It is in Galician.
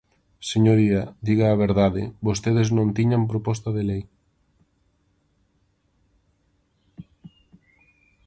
Señoría, diga a verdade, vostedes non tiñan proposta de lei.